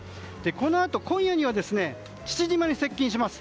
このあと、今夜には父島に接近します。